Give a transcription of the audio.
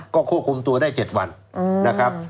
ก็ควบคุมตัวได้๗วันนะครับ